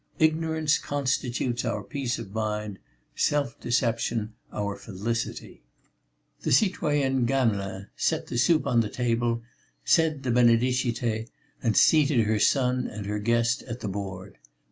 Ignorance constitutes our peace of mind; self deception our felicity." The citoyenne Gamelin set the soup on the table, said the Benedicite and seated her son and her guest at the board.